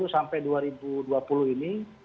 dua ribu sepuluh sampai dua ribu dua puluh ini